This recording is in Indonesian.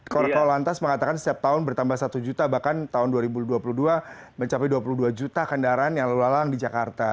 kor kolantas mengatakan setiap tahun bertambah satu juta bahkan tahun dua ribu dua puluh dua mencapai dua puluh dua juta kendaraan yang lalu lalang di jakarta